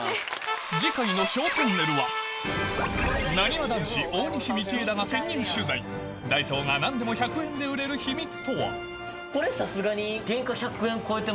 次回の『ＳＨＯＷチャンネル』はなにわ男子大西道枝が潜入取材ダイソーが何でも１００円で売れる秘密とは？